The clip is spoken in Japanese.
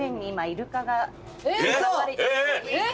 えっ！